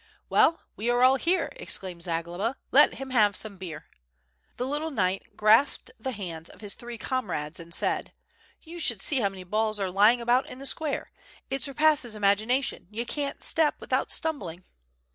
"Well, we are all here/' exclaimed Zagloba, "let him have some beer." The little knight grasped the hands of his three com rades, and said: "You should see how many balls are lying about in the square; it surpasses imagination, you can't step without stumbling."